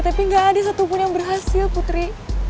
tapi gak ada satupun yang berhasil putri